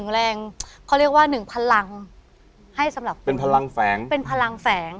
แรงเขาเรียกว่าหนึ่งพลังให้สำหรับเป็นพลังแฝงเป็นพลังแฝง